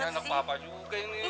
kan anak papa juga ini